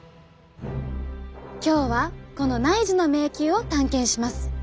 今日はこの内耳の迷宮を探検します。